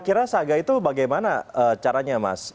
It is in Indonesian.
kira saga itu bagaimana caranya mas